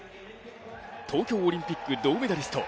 東京オリンピック銅メダリスト